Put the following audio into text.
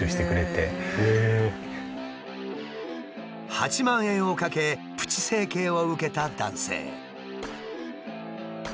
８万円をかけプチ整形を受けた男性。